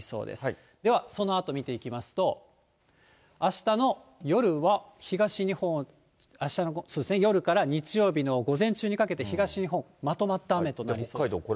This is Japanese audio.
では、そのあと見ていきますと、あしたの夜は、東日本、あしたの夜から日曜日の午前中にかけて、東日本、まとまった雨となりそうです。